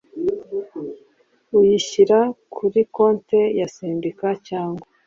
Uyishyira kuri konti ya sendika cyangwa